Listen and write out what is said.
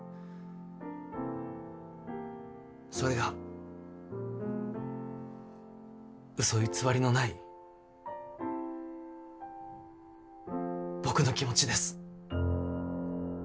それがうそ偽りのない僕の気持ちです。